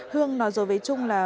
hương nói rồi với trung là